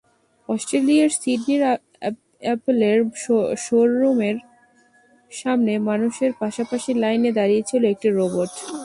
অস্ট্রেলিয়ার সিডনির অ্যাপলের শোর রুমের সামনে মানুষের পাশাপাশি লাইনে দাঁড়িয়েছিল একটি রোবট।